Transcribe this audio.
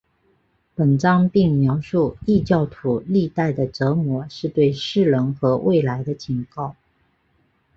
本章并描述异教徒历代的折磨是对世人和未来的警告。